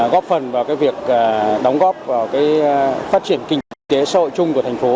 góp phần vào việc đóng góp vào phát triển kinh tế xã hội chung của thành phố